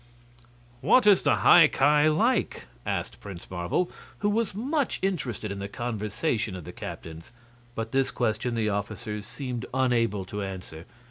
"What is the High Ki like?" asked Prince Marvel, who was much interested in the conversation of the captains. But this question the officers seemed unable to answer.